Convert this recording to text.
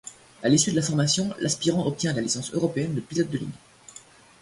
À l'issue de la formation, l'aspirant obtient la licence européenne de pilote de ligne.